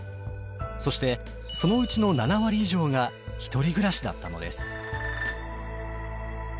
そしてそのうちの７割以上が１人暮らしだったのです。